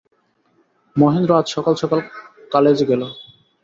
মহেন্দ্র আজ সকাল সকাল কালেজে গেল।